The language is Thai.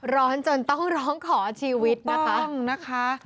ร้อนจนต้องร้องขอชีวิตนะคะ